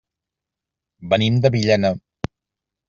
Venim de Villena.